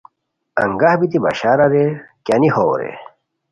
انگہ بیتی بشاراریر کیانی ہو رے